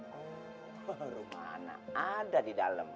hehehe rumana ada di dalem